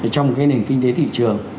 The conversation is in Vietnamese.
trong cái nền kinh tế thị trường